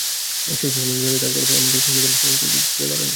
সেই চমকের তালিকায় থাকতে পারেন এমনকি ইতালিয়ান সিনেমা কিংবদন্তি সোফিয়া লোরেনও।